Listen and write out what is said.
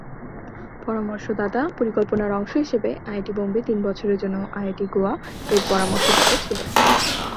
পরামর্শদাতা পরিকল্পনার অংশ হিসেবে, আইআইটি-বোম্বে তিন বছরের জন্য আইআইটি গোয়া-এর পরামর্শদাতা ছিল।